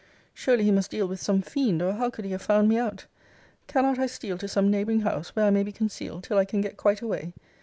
Surely he must deal with some fiend, or how could he have found me out? Cannot I steal to some neighbouring house, where I may be concealed till I can get quite away?